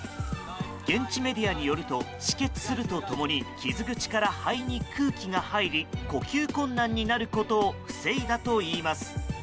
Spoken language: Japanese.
現地メディアによると止血すると共に傷口から肺に空気が入り呼吸困難になることを防いだといいます。